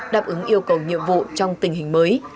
đáp ứng yêu cầu nhiệm vụ trong tình hình mới